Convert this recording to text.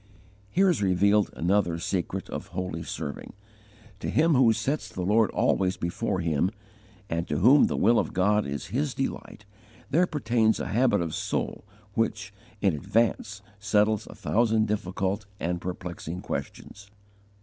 Here is revealed another secret of holy serving. To him who sets the Lord always before him, and to whom the will of God is his delight, there pertains a habit of soul which, in advance settles a thousand difficult and perplexing questions.